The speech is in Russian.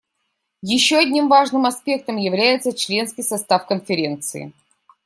Еще одним важным аспектом является членский состав Конференции.